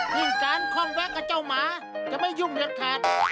ยิ่งการคล่องแวะกับเจ้าหมาจะไม่ยุ่งเด็ดขาด